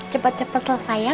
cepet cepet selesai ya